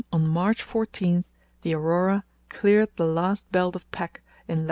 on March 14 the Aurora cleared the last belt of pack in lat.